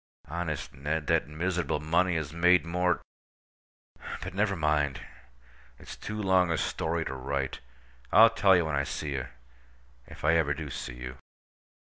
Honest, Ned, that miserable money has made more—But, never mind. It's too long a story to write. I'll tell you when I see you—if I ever do see you.